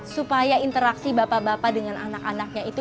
supaya interaksi bapak bapak dengan anak anaknya itu